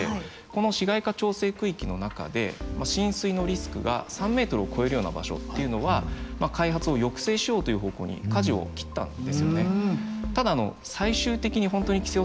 この市街化調整区域の中で浸水のリスクが３ｍを超えるような場所っていうのは開発を抑制しようという方向にかじを切ったんですよね。